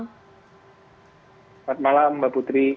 selamat malam mbak putri